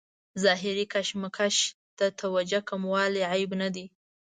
ظاهري کشمکش ته توجه کموالی عیب نه دی.